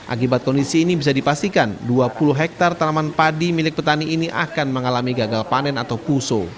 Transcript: akibat kondisi ini bisa dipastikan dua puluh hektare tanaman padi milik petani ini akan mengalami gagal panen atau puso